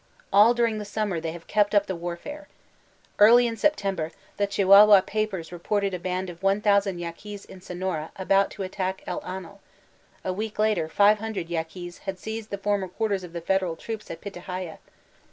All during the sitm mer they have kept up the warfare. * Early in Septem ber, the Chihuahua papers reported a band of iiOOO Ya quis in Sonora about to attack El Anil ; a week later 500 Yaquis had seized the former quarters of the federal troops at Pitahaya.